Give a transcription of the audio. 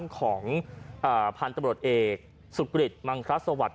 ของเอ่อพันธุ์ตบรตเอสุดกลิดมงคัตสวัสดิ์